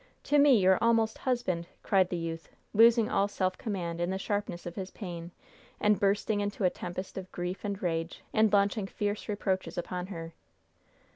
to me, your almost husband!" cried the youth, losing all self command in the sharpness of his pain, and bursting into a tempest of grief and rage, and launching fierce reproaches upon her.